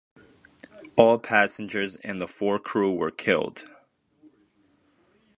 All passengers and the four crew were killed.